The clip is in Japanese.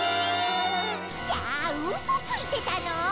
じゃあうそついてたの！？